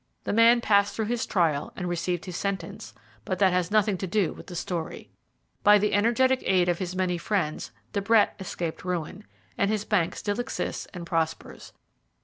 The man passed through his trial and received his sentence, but that has nothing to do with the story. By the energetic aid of his many friends De Brett escaped ruin, and his bank still exists and prospers.